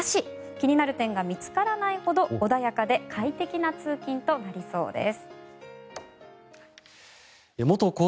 気になる点が見つからないほど穏やかで快適な通勤となりそうです。